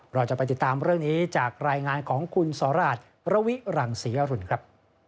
เราจะไปติดตามเรื่องนี้จากรายงานของคุณสราชระวิรังศรีอรุณครับ